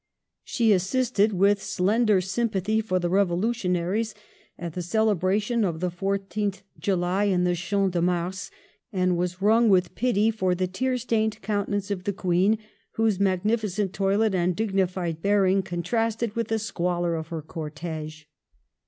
She assisted, with slender sympathy for the revolutionaries, at the celebration of the 14th July in the Champs de Mars, and was wrung with pity for the tear stained countenance of the Queen, whose mag nificent toilet and dignified bearing contrasted with the squalor of her cortege.